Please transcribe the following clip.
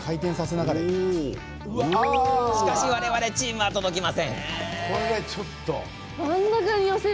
しかし、我々チームは届きません。